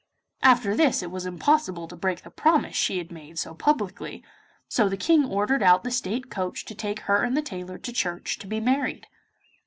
After this it was impossible to break the promise she had made so publicly, so the King ordered out the state coach to take her and the tailor to church to be married.